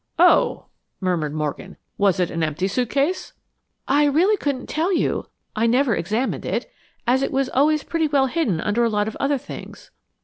"Oh," murmured Morgan. "Was it an empty suitcase?" "I really couldn't tell you. I never examined it, as it was always pretty well hidden under a lot of other things."